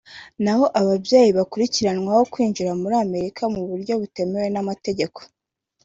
naho ababyeyi bakurikiranwaho kwinjira muri Amerika mu buryo butemewe n’amategeko